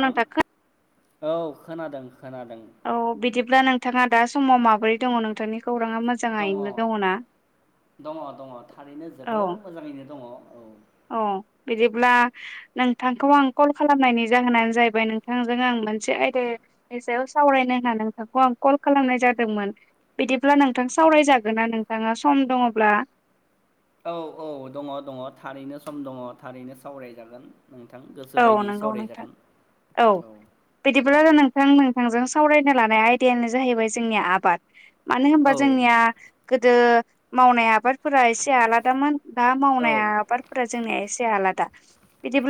थां औ खोनादों खोनादों औ बिदिब्ला नोंथां नोंथाङा दा समाव माबोरै दङ नोंथांनि खौराङा दङ मोजाङैनो दङना? दङ दङ थारैनो जोबोर मोजाङैनो दङ। अ बिदिब्ला नोंथांखौ आं कल खालामनायनि जाहोनानो जाहैबाय नोंथांजों आं मोनसे आयदानि सायाव सावरायनो होनना नोंथांखौ आं कल खालामनाय जादोंमोन बिदिब्ला नोंथां नोंथां सावराय जागोन ना नोंथाङा सम दङब्ला औ औ दङ दङ थारैनो सम दङ थारैनो सावरायजागोन। नोंथां गोसो औ बायदियै नंगौ नोंथां सावरायजागोन औ बिदिब्ला नोंथां नोंजों सावरायनो लानाय आयदायानो जाहैबाय जोंनिया आबाद मानो होनबा औ जोंनिया गोदो मावनाय आबादफोरा एसे आलादामोन दा मावनाय आबादफोरा जोंनिया एसे आलादा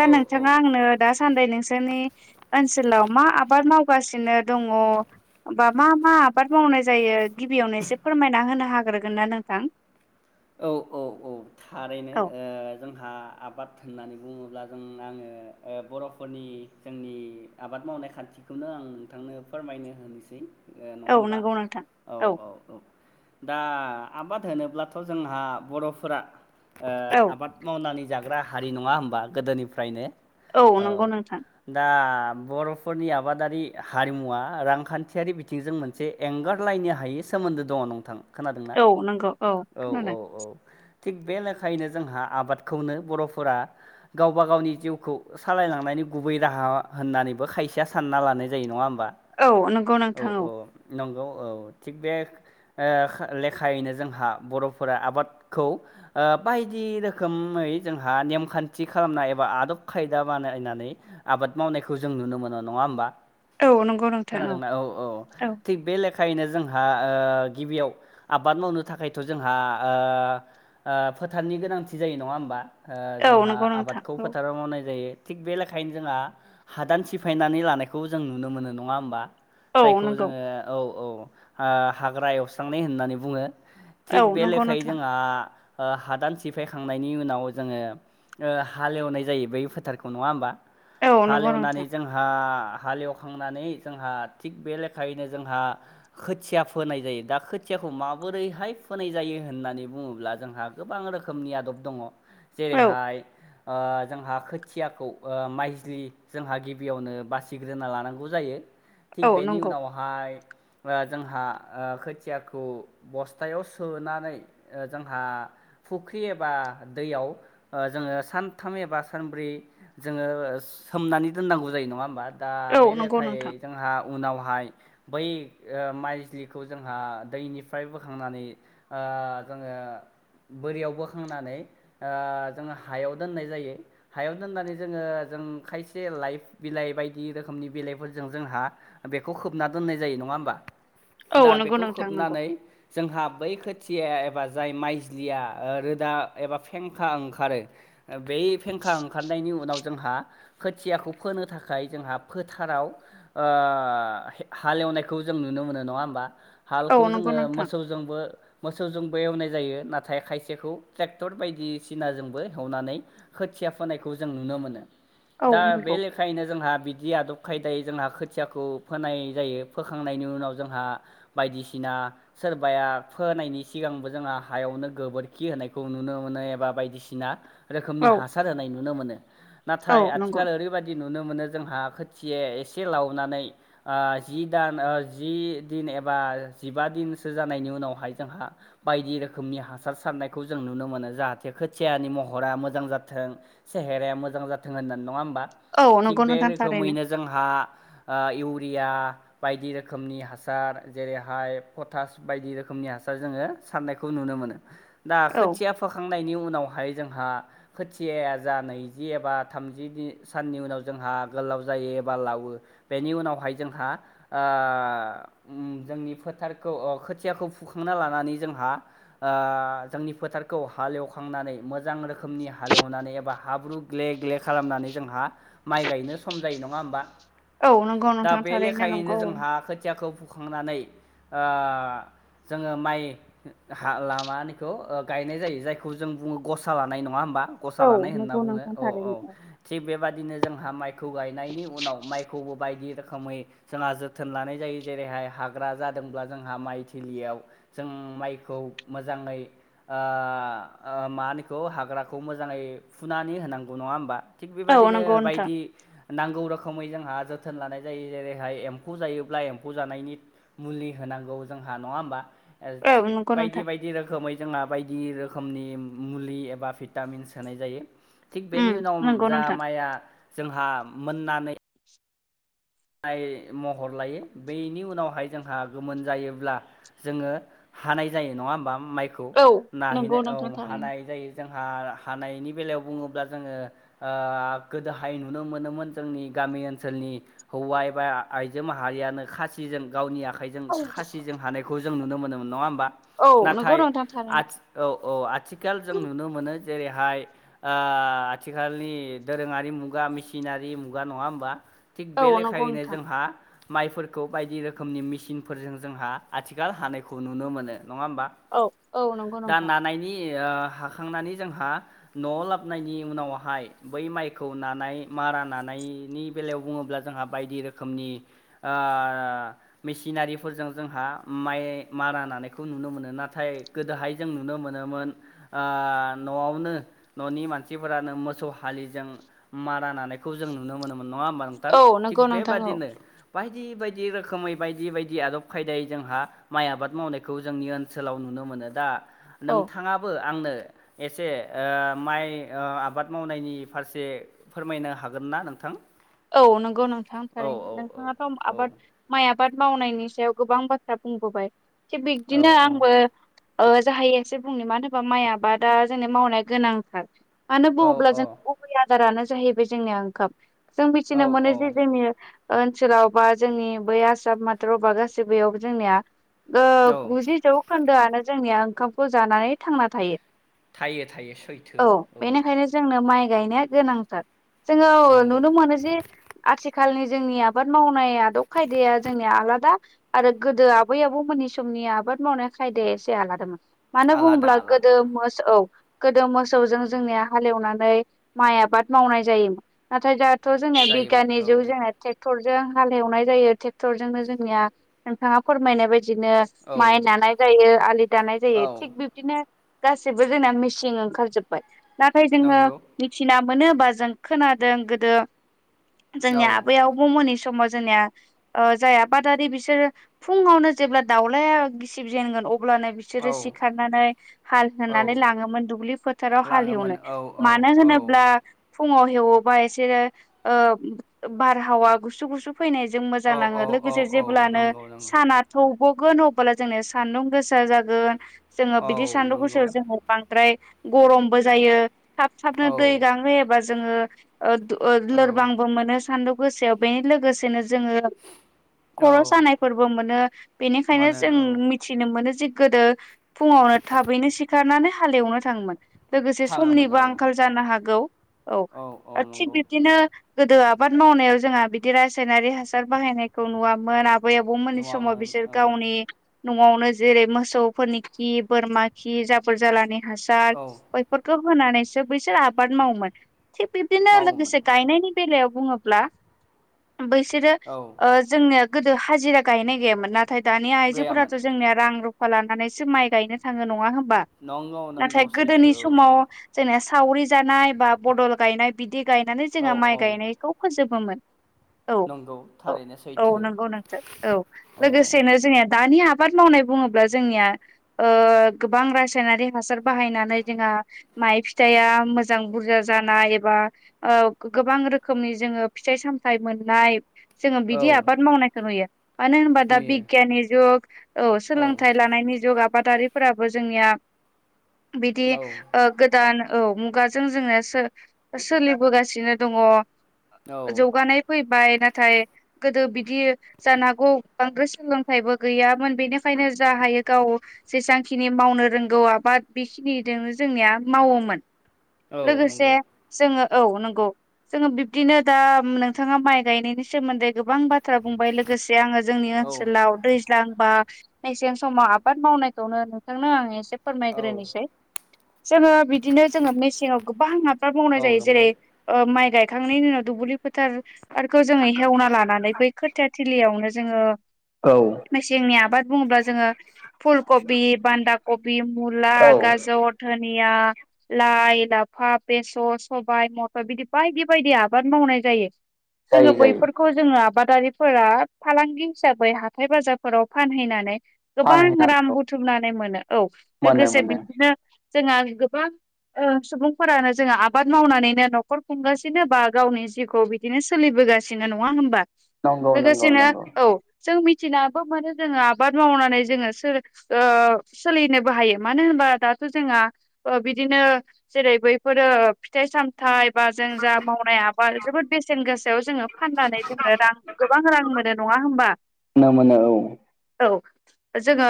औ औ ओह दासान्दि नोंसोरनि ओनसोलाव मा आबाद मावगासिनो दङ। बा मा मा आबाद मावनाय जायो। गिबियावनो एसे फोरमायना होनो हाग्रोगोन ना नोंथां? औ औ औ थारैनो औ जोंहा आबाद होननानै बुङोब्ला। जों आङो बर'फोरनि जोंनि आबाद मावनाय खान्थिखौनो आं नोंथां आंनो फोरमायनो होनोसै नङा औ होमबा। नंगौ नोंथां औ औ औ दा आबाद होनोब्लाथ' जोंहा बर'फोरा औ आबाद मावनानै जाग्रा हारि नङा होमबा गोदोनिफ्रायनो। औ ओह नंगौ नोंथां दा बर'फोरनि आबादारि हारिमुवा रांखान्थियारि बिथिंजों मोनसे एंगारलायनो हायै सोमोन्दो दङ नोंथां। खोनादोंना औ नंगौ औ खोनादों। थिग बे लेखायैनो जोंहा आबादखौनो बर'फोरा गावबा गावनि जिउखौ सालायलांनानै गुबै राहा होननानैबो खायसेया सानना लानाय जायो नङा औ नंगौ औ नोंथां औ नंगौ। औ थिग बे लेखायैनो जोंहा बर'फोरा आबादखौ बायदि रोखोमै जोंहा नेमखान्थि खालामनाय एबा बा आदब खायदा बानायनानै आबाद मावनायखौ जों नुनो मोनो नङा होमबा। औ नंगौ नोंथां खोनादोंना औ औ थिग बे लेखायैनो जोंहा गिबियाव आबाद मावनो थाखाय थ' जोंहा फोथारनि गोनांथि जायो नङा होमबा औ जोंहा नंगौ नोंथां आबादखौ औ फोथाराव मावनाय जायो। थिग बे लेखायैनो जोंहा हादान सिफायनानै लानायखौ जों नुनो मोनो नङा होमबा। औ जायखौ नंगौ जोङो औ औ हाग्रा एवस्रांनाय होननानै बुङो। औ थिग बे नंगौ लेखायै नोंथां जोंहा हादान सिफायखांनायनि उनाव जोङो हालेवनाय जायो बै फोथारखौ नङा होमबा। औ नंगौ नोंथां हालेवनानै जोंहा हालेवखांनानै जोंहा थिग बे लेखायैनो जोंहा खोथिया फोनाय जायो दा खो देखौ माबोरैहाय फोनाय जायो होननानै बुङोब्ला। जोंहा गोबां रोखोमनि आदब दङ जेरै औ हाय जोंहा खोथियाखौ माइजलि जोंहा गिबियावनो बासिग्रोना लानांगौ जायो। थिग औ बेनि नंगौ उनावहाय जोंहा खोथियाखौ बस्थायाव सोनानै जोंहा फुख्रि एबा दैयाव जोंङो सानथाम एबा सानब्रै जोङो सोमनानै दोननांगौ जायो नङा होमबा। दा औ बे नंगौ लेखायै नोंथां जोंहा उनावहाय बै माइजलिखौ जोंहा दैनिफ्राय बोखांनानै ओ जोङो बोरियाव बोखांनानै जोङो हायाव दोननाय जायो ‌। हायाव दोननानै जोङो जों खायसे लाइफांनि बिलाइ बायदि रोखोमनि बिलाइफोरजों जोंहा बेखौ खोबना दोननाय जायो। नङा होमबा औ दा नंगौ बेखौ नोंथां नंगौ खोबनानै जोंहा बै खोथिया एबा जाय माइजलिया रोदा एबा फेंखा ओंखारो बे बे फेंखा ओंखारनायनि उनाव जोंहा खोथियाखौ फोनो थाखाय जोंहा फोथाराव हालेवनायखौ जों नुनो मोनो नङा होमबा। औ हालखौ नंगौ जोङो नोंथां मोसौजोंबो। मोसौजोंबो एवनाय जायो नाथाय खायसेखौ ट्रेक्टर बायदिसिनाजोंबो एवनानै हेवनानै खोथिया फोनायखौ जों नुनो मोनो औ दा बे नंगौ लेखायैनो जोंहा जि आदब खायदायै जोंहा खोथियाखौ फोनाय जायो। फोखांनायनि उनाव जोंहा बायदिसिना सोरबाया फोनायनि सिगांबो जोंहा हायावनो गोबोरखि होनायखौ नुनो मोनो एबा बायदिसिना रोखोमनि औ हासार होनाय नुनो मोनो औ नाथाय नंगौ आथिखाल ओरैबायदि नुनो मोनो जोंहा खोथियाआ एसे लावनानै जि दान जि दिन एबा बा जिबा दिनसो जानायनि उनाव जोंहा बायदि रोखोमनि हासार सारनायखौ जों नुनो मोनो जाहाथे खोथियानि महरा मोजां जाथों सेहेराया मोजां जाथों होननानै नङा होमबा औ थिग नंगौ बे नोंथां थारैनो रोखोमैनो जोंहा इउरिया बायदि रोखोमनि हासार जेरैहाय पटास बायदि रोखोम हार जनाय नुनो मोन दा औ खोथिया फोखांनायनि उनावहाय जोंहा खोथियाया जा नैजि एबा थामजि साननि उनाव जोंहा बेनि उनावहाय जोंहानि सारखौ अ खोथियाखौ हुखांना लानानै जोंहा ओ जोंनि फोथारखौ हालेवखांनानै मोज जां रोखोमनि हालेवनानै एबा हाब्रु ग्ले-ग्ले खालामनानै जोंहा माइ गायनो सम जायो नंङा होमबा हा औ नंगौ दा नोंथां बे थारैनो लेखायैनो नंगौ जोंहा खोथियाखौ फु फुखांनानै ओ जोंङो माइ हा लामा माहोनो इखौ गायनाय जायो जायखौ जों बुंङो गसा लानाय नंङा होमबा गसा औ लानाय होनना नंगौ बुंङो नोंथां औ-औ थारैनो थिग बेबाददिनो जोंहा माइ खौ गायनायनि उनाव माइखौबो बायदि रोखोमै जोंहा जोथोन लानाय जायो जेरैहाय हाग्रा जादोंब्ला जोंहा माइ थिलियाव जों माइखौ मोजांङै ओ मा होनइखौ हाग्राखौ मोजां मोजांङै फुनानै होनांगौ नंङा होमबा थिग औ बेबायदिनो नंगौ नोंथां बायदि नांगौ रोखोमै जोंहा जोथोन लानाय जायो जेरैहाय एम्फौ जायोब्ला एम्फौ जानायनि मुलि होन नागौ जोंहा नंङा होनबा ओ औ थिग नंगौ नोंथां बायदि-बायदि रोखोमै जोंहा बायदि रोख रोखोमनि मुलि एबा भिटामिन होनाय जायो थिग बेनि उम उनाव नंगौ जा नोंथां माइया जोंहा मोननानै [inaudible] नाय महर लायो बैनि उनावहाय जोंहा गोमोन जायोब्ला जोंङो हानाय जायो नंङा होनबा माइखौ औ नंगौ नाहैनाय औ नोंथां थारैनो हानाय जायो जों हा हानायनि बेलायाव बुंङोब्ला जोंङो ओ गोदोहाय नुनो मोनोमोन जोंनि गामि मि ओनसोलनि हौवा एबा आइजो माहारियानो खासिजों गावनि आखाइजों खासिजों हानायखौ जों नु नुनो मोनोमोन नंङा होनबा औ नंगौ नाथाय नोंथां थारैनो औ-औ आथिखाल जों नुनो मोनो जेरैहाय ओ आथिखालनि दोरोंङारि मुगा मेसिनारि मुगा नंङा होनबा थिग औ बे नंगौ लेखायैनो नोंथां जोंहा माइफोरखौ बायदि रोखोमनि मेसिनफोरजों जोंहा आथिखाल हानायखौ नुनो मोनो नंङा होमबा औ औ नंगौ दा नोंथां नानायनि इओ हाखांनानै जोंहा नआव लाबोनायनि उनावहाय बै माइखौ नानाइ मारानानायनि बेलायाव बुंङोब्ला ओ बायदि रोखोमनि ओ मेसिनारिफोरजों जोंहा माइ-माइ बारा नानायखौ नुनो मोनो नाथाय गोदोहाय जों नुनो मोनोमोन ओ नआवनो ननि मानसिफोरानो मोसौ हालिजों मारा नानायखौ जों नुनो मोनोमोन नंङा होमबा नोंथां औ थिग नंगौ नोंथां औ बेबादिनो बाद बायदि-बायदि रोखोमै बायदि-बायदि आदब खायदायै जोंहा माइ आबाद मावनायखौ जोंनि ओनसोलाव नुनो मोनबाय मोनो दा औ नोंथांङाबो आंनो एसे ओ माइ ओ आबाद मावनायनि फारसे फोरमायनो हागोन ना नोंथां औ नंगौ नोंथां औ थारैनो औ औ नोंथांङाथ औ आबाद माइ आबाद आबाद मावनायनि सायाव गोबां बाथ्रा बुंबोबाय थिग औ बिदिनो औ आंबो ओ जाहायो बाद एसे बुंनो मानो होनबा माइआबादा जोंनि मावनाया गोनांथार मानो औ बुंङोब्ला जोंना गुबै आदारानो जाहैबाय जोंनिया ओंखाम जों औ मिथिनो मोनो औ जे जोंनि ओनसोलाव बा जोंनि बै आसा माथ्रबा गासैबोयावबो जोंनिया ओ औ गुजि जौखोन्दोआनो जोंनिया ओंखामखौ जानानै थांना थायो थायो-थायो सैथो औ बेनिखायनो जोंनो माइ गायनाया गोनांथार। जोंङो ओ नु नंगौ जे आथिखालनि जोंनि आबाद मावनाय आदब-खायदाया जोंनिया आलादा आरो गोदो आबै-आबौमोननि समनि आबाद मावनाया खायदाया एसे आलादामोन। मानो आलादा बुंङोब्ला गोदो आलादा मोस औ गोदो मोसौजों जोंनिया हालेवनानै माइ आबाद मावनाय जायोमोन। नाथाय दा थ जों निया जायोमोन बिगानिख औ जुग। जोंनिया थेख टर जों हालेवनाय जायो। टेक्टरजोंनो जोंनिया नोंथांङा फोरमायनाय बायदि बिदिनो औ माइ नानाय जायो, आलि दानाय औ जायो। थिग बिबदिनो गाससिबो जोंना मिसिं ओंखारजोबबाय। नाथाय जोङो नंगौ मिथिना मोनो होमबा जों खोनादों गोदो जोंनि औ आबै-आबौ मोननि समाव जोंनिया जाया आबादारि बिसोरो फुङावनो जेब्ला दावलाया गिसिब जेनगोन अ अब्लानो औ बिसोरो सिखारनानै हाल औ होनानै लाङोमोन दुब्लि फोथाराव हाल लाङोमोन हेवनो। औ औ मा मानो औ होनोब्ला फुङाव हेवोबा एसेरो बारहावा गुसु-गुसु फैनायजों मोजां औ नाङो। औ औ लोगोसे औ जेब्लानो नंगौ नंगौ साना थौ गगोन अबोब्ला जोंना सान्दुं गोसा जागोन। जोङो औ बिदि सान्दुं नंगौ गोसायाव जोङो बांद्राय गरमबो जायो। थाब-थाबनो औ दै गांहोयोबा जोङो ओ दु लोर बांबो मोनो सान्दुं गोसायाव। बेनि लोगोसेनो जोङो औ खर' सानायफोरबो मोनो। बेनिखायनो मानो जों औ मिथिनो मोनो जि गोदो फुङावनो थाबैनो सिखारनानै हालेवनो थाङोमोन। लोगोसे थाङोमोन समनिबो औ आंखाल जानो हागौ। औ, औ थिग नंगौ बिब्दिनो गोदो आबाद मावनायाव जोंहा बिदि रासायनारि हासार बाहायनायखौ नुवामोन। आ बै-आबौमोननि समाव नुवामोन बिसोर औ गावनि न'आवनो जेरै मोसौफोरनि खि, बोरमा खि, जाबोर-जालानि हासार औ बेफोरखौ होनानैसो बैसोर आबाद मावोमोन। थिग बिब्दिनो मावोमोन लोगोसे गायनायनि बेलायाव बुङोब्ला बैसोरो औ ओ जोंनो गोदो हाजिरा गायनाय गैयामोन। ना नाथाय दानिया गैयामोन आइजोफोराथ' जोंनिया रां-रुफा लानानैसो माइ गायनो थाङो। नङा होम बा? नंगौ नाथाय नंगौ गोदोनि सैथो समाव जोंना सावरि जानाय बा बदल गायनाय बिदि गायनानै औ जोंहा माइ औ गायनायखौ फोजोबोमोन। औ नंगौ अ थारैनो औ सैथो नंगौ नोंथ औ। औ लोगोसेनो जोङो दानि आबाद मावनाय बुङोब्ला जोंनिया ओ गोबां रासायनारि हासार बाहायनानै जोंहा माइ फिथाइआ मोजां बुरजा जानाय एबा ओ गो बां रोखोमनि जोङो फिथाइ-सामथाइ मोननाय जोङो औ बिदि आबाद मावनायखौ नुयो। मानो होनबा दा नुयो बिगयाननि जुग औ सोलोंथाइ लानायनि जुगा। आबादारिफोराबो जोंनिया बिदि औ ओ गोदान औ मुगाजों जोना सो सोलिबोगासिनो दङ। औ जौगानाय फै बाय नाथाय गोदो बिदि जानो हागौ बांद्राय सोलोंथाइबो गैयामोन। बेनिखायनो जा हायो गाव जेसांखिनि मावनो रोंगौ आबाद बेखिनिजोंनो जोंनिया मावोमोन। औ लोगोसे नंगौ जोङो, औ नंगौ। जोङो बिब्दिनो दा नोंथाङा माइ गायनायनि सोमोन्दै गोबां बा थ्रा बुंबाय। लोगोसे आङो जोंनि औ ओनसोलाव दैज्लां बा मेसें समाव आबाद मावनायखौनो नोंथांनो आं एसे औ फोरमायग्रोनोसै। जोङो बिदिनो जोङो मेसेङाव गोबां आबाद मावनाय औ जायो। जेरै नंगौ माइ गायखांनायनि उनाव दुब्लि फोथारफोरखौ जोङो हेवना लानानै बै खोथिया थिलियावनो जोङो औ मेसेंनि आबाद बुङोब्ला जोङो फुलकबि, बान्दा बि, मुला, औ गाजर, धोनि निया, लाइ, लाफा, बेसर, सबाय, मथर, बिदि बायदि बायदि आबाद मावनाय जायो जोङो जायो जायो बैफोरखौ जोङो आबाद दारिफोरा फालांगि हिसाबै हाथाय बाजारफोराव फानहैनानै गोबां रां फानहैनांगौ बुथुमनानै मोनो औ मोनो लोगोसे मोनो बिदिनो जोंहा गोबां ओ सुबुंफोरानो जोङो आबाद मावनानैनो न नखर खुंगासिनो बा गावनि जिउखौ बिदिनो सोलिबोगासिनो नङा होम्बा नंगौ नंगौ लोगोसेनो नंगौ औ जों मि थिनाबो मोनो जोङो आबाद मावनानै जोङो सो ओ सोलिनोबो हायो मानो होनबा दा थ जोंहा बिदिनो जेरै बैफोरो फिथाय सामथाय जों जा मावनाय आबा जोबोद बेसेन गोसायाव जोङो फाननानै जोङो रां गोबां रां मोनो नङा ब होम्बा न मान औ जोङो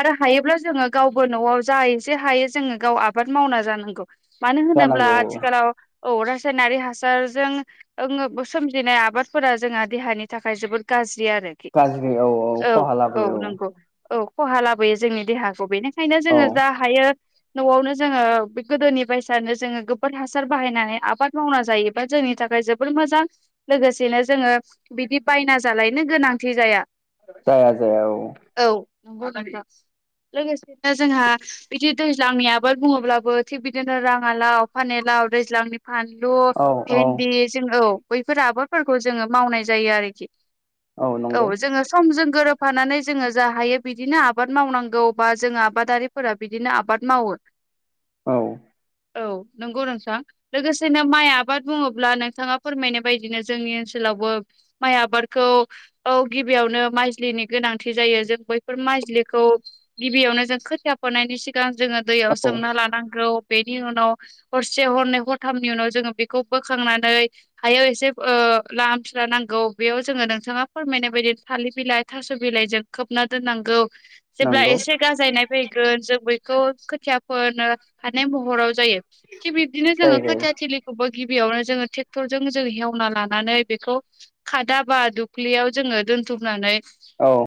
आरो हायोब्ला जोङो गावबो न'आव जा एसे हायो जोङो गाव आबाद मावना जानांगौ मानिज नाबब्ला जानांगौ औ आथिखाालाव औ रासायनारि हासारजोंो सोमजिनाय आबादफोरा जोंहा देहानि थाखाय जोबोद गाज्रि दि आरोखि गाज्रि औ खहा लाबोयो औ नंगौ औ खहा लाबोयो जोंनि देहाखौ बेनिखायनो औ जोङो जा हायो न'आवनो जोङो बे गोदोनि बायसानो जोङो गोबोर हासार बाहायनानै आबाद मावना जायोबा जोंनि थाखाय जोबोोर मोजां लोगोसेनो जोङो बिदि बायना जालायनो गोनांथि जाया जाया जाया औ नोंगौ ग लोगोसेनो जोंहा बिदि दैज्लांनि आबाद बुङोब्लाबो थिग बिदिनो राङाला अ फानेला आवेेज लांनि फानलु औ औ भन्दि जों औ बैफोर आबादफोरखौ जोङो मावनाय जायो आरोखि औ जोङो सम ज गोरोबफानानै जोङो जा हायो बिदिनो आबाद मावनांगौ बा जोङो आबादारिफोरा बिदिनो आबाद मावो [unintelligible] औ औ नोंगौ नोंथां लोगोसेनो माइ आबाद बुङोब्ला नोंथाङा फोरमायनाय बायदिनो जोंनि ओनसोलावबो माइ आबादखौ औ गिबियावनो माइजलिनि गोनांथि जायो जों बैफोर माइजलिखौ गिबियावनो खोया फनायनि सिगां जोङो दैयाव औ सोमना लानांगौ बेनि उनाव हरसे हरनै ह थामनि उनाव जोङो बेखौ बोखांनानै हायाव एसे लामथिला नांगौ बेयाव जोङो नों नोंथाङा फोरमायनाय बायदि थालिर बिलाइ थास' बिलाइजों खोबना दोननांगौ जेब्ला नंगौ एसे गाजायनाय फैगोन जों बैखौ खोथिया फो हानाय महराव थि बिबदिनो जो जायो जायो खथि थलिखौ गिबियावनो जोङो ट्रेक्टर ज जों हेवना लानानै बेखौ खादाबा दुब्लियाव जोङो थानाय औ